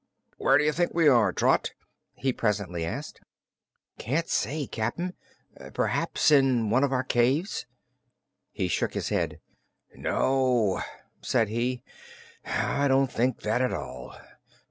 "Where d'ye think we are, Trot?" he presently asked. "Can't say, Cap'n. P'r'aps in one of our caves." He shook his head. "No," said he, "I don't think that, at all.